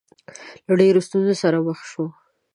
له ډېرو ستونزو سره مخ شو.